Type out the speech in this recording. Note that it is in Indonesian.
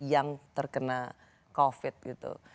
yang terkena covid gitu